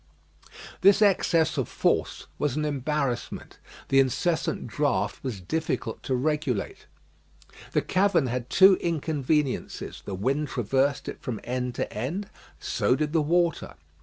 This excess of force was an embarrassment. The incessant draught was difficult to regulate. The cavern had two inconveniences; the wind traversed it from end to end; so did the water.